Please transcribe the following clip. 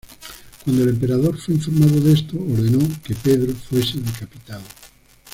Cuando el emperador fue informado de esto, ordenó que Pedro fuese decapitado.